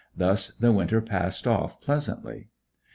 Thus the winter passed off pleasantly.